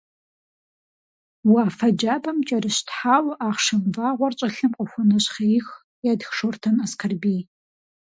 «Уафэ джабэм кӀэрыщтхьауэ Ахъшэм вагъуэр щӀылъэм къыхуонэщхъеих», - етх Шортэн Аскэрбий.